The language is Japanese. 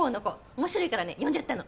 面白いからね呼んじゃったの。